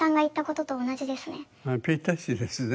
ぴったしですね。